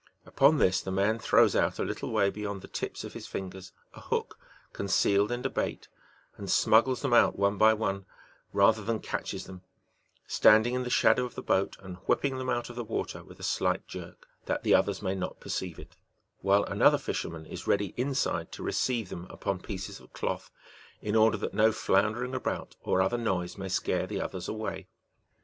Upon this, the man throws out, a little way beyond the tips of his fingers, a hook concealed in a bait, and smug gles them out one by one, rather than catches them, standing in the shadow of the boat and whipping them out of the water with a slight jerk, that the others may not perceive it ; while another fisherman is ready inside to receive them upon pieces of cloth, in order that no floundering about or other noise may scare the others away.